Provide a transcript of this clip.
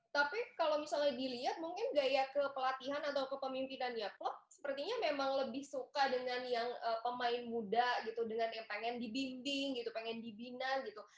tapi kalau misalnya dilihat mungkin gaya kepelatihan atau kepemimpinannya klub sepertinya memang lebih suka dengan yang pemain muda gitu dengan yang pengen dibimbing gitu pengen dibina gitu